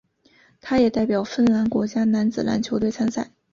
他也代表芬兰国家男子篮球队参赛。